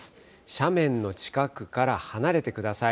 斜面の近くから離れてください。